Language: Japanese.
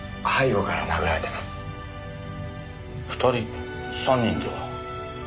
２人３人では？